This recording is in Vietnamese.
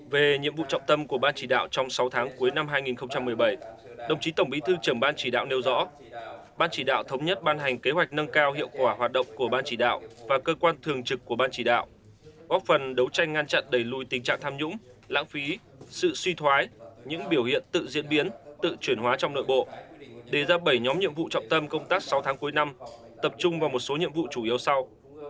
về nhiệm vụ trọng tâm của ban chỉ đạo trong sáu tháng cuối năm hai nghìn một mươi bảy đồng chí tổng bí thư trưởng ban chỉ đạo nêu rõ ban chỉ đạo thống nhất ban hành kế hoạch nâng cao hiệu quả hoạt động của ban chỉ đạo và cơ quan thường trực của ban chỉ đạo bóp phần đấu tranh ngăn chặn đẩy lùi tình trạng tham nhũng lãng phí sự suy thoái những biểu hiện tự diễn biến tự chuyển hóa trong nội bộ đề ra bảy nhóm nhiệm vụ trọng tâm công tác sáu tháng cuối năm tập trung vào một số nhiệm vụ chủ yếu sau